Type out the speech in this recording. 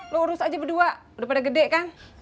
lu urus aja berdua udah pada gede kan